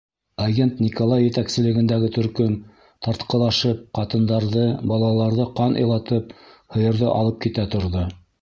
Агент Николай етәкселегендәге төркөм тартҡылашып, ҡатындарҙы, балаларҙы ҡан илатып һыйырҙы алып китә торҙо.